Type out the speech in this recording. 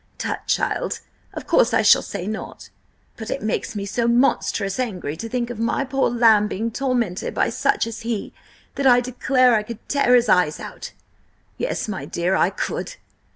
"Tut, child! Of course I shall say nought. But it makes me so monstrous angry to think of my poor lamb being tormented by such as he that I declare I could tear his eyes out! Yes, my dear, I could!